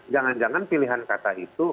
jangan jangan pilihan kata itu